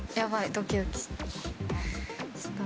ドキドキ。